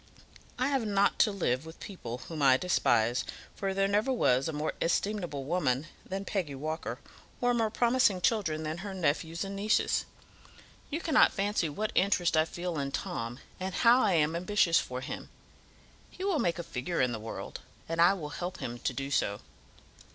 I have not to live with people whom I despise, for there never was a more estimable woman than Peggy Walker, or more promising children than her nephews and nieces. You cannot fancy what interest I feel in Tom, and how I am ambitious for him. He will make a figure in the world, and I will help him to do so.